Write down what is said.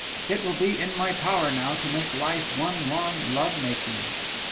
It will be in my power now to make life one long love making!